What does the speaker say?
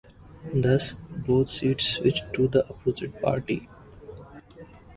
Thus, both seats switched to the opposite party.